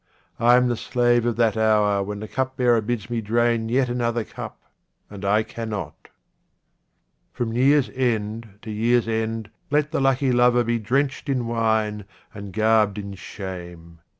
I am the slave of that hour when the cupbearer bids me drain yet another cup and I cannot. From year's end to year's end let the lucky lover be drenched in wine and garbed in shame.